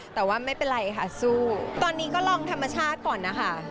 แต่ว่าไม่เป็นไรค่ะสู้ตอนนี้ก็ลองธรรมชาติก่อนนะคะ